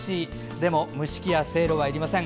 でも、蒸し器やせいろはいりません。